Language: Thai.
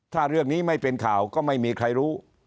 ถ้าเรื่องนี้ไม่เป็นข่าวก็ไม่มีใครรู้